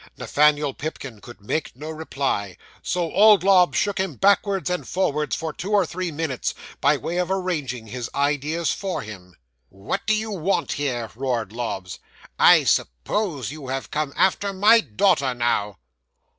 'Nathaniel Pipkin could make no reply, so old Lobbs shook him backwards and forwards, for two or three minutes, by way of arranging his ideas for him. '"What do you want here?" roared Lobbs; "I suppose you have come after my daughter, now!"